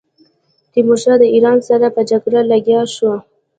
تیمورشاه د ایران سره په جګړه لګیا شو.